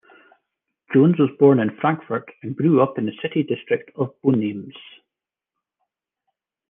Jones was born in Frankfurt and grew up in the city district of Bonames.